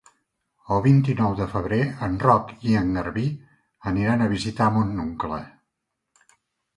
El vint-i-nou de febrer en Roc i en Garbí aniran a visitar mon oncle.